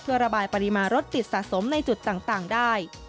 เพื่อระบายปริมาณรถติดสะสมในจุดต่างได้